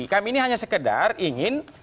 kami ini hanya sekedar ingin